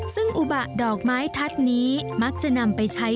ซึ่งอุบะดอกไม้ทัศน์นี้มักจะนำไปใช้